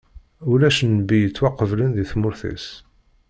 Ulac nnbi yettwaqeblen di tmurt-is.